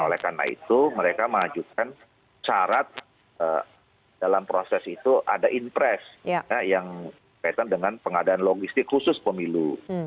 oleh karena itu mereka mengajukan syarat dalam proses itu ada impress yang berkaitan dengan pengadaan logistik khusus pemilu